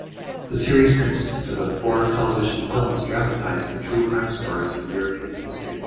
The series consisted of four television films dramatizing true crime stories from European history.